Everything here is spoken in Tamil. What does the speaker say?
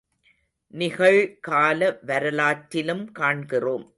நிகழ்கால வரலாற்றிலும் காண்கிறோம்.